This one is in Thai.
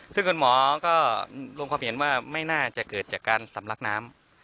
ซึ่งคุณหมอก็ลงความเห็นว่าไม่น่าจะเกิดจากการสำลักน้ำ